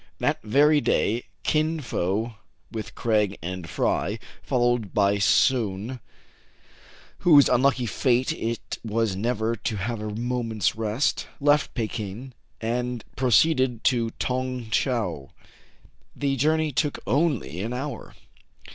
That very day Kin Fo, with Craig and Fry, followed by Soun, whose unlucky fate it was never to have a moment's rest, left Pekin, and proceeded to Tong Tcheou. The journey took only an hour.